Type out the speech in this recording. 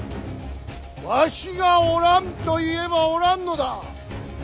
わしがおらんと言えばおらんのだ。